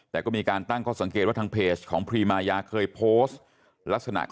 ไม่มีการสร้างเรื่องใดทุกอย่างก็คือเกิดจาก